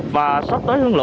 và sắp tới hướng dẫn